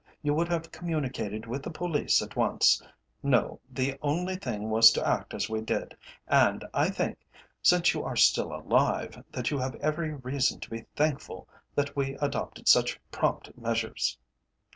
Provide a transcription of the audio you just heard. "You would have communicated with the Police at once. No, the only thing was to act as we did, and I think, since you are still alive, that you have every reason to be thankful that we adopted such prompt measures."